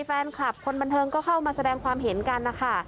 แฟนคลับคนบันเทิงก็เข้ามาแสดงความเห็นกันนะคะ